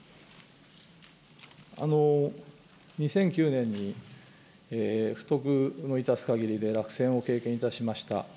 ２００９年に、不徳の致すかぎりで落選を経験いたしました。